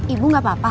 ibu gak apa apa